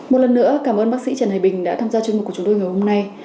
một lần nữa cảm ơn bác sĩ trần hải bình đã tham gia chương mục của chúng tôi ngày hôm nay